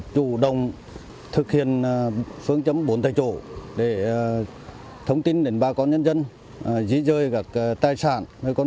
chủ động thực hiện phương chấm bốn tại chỗ để thông tin đến ba con nhân dân dí dơi các tài sản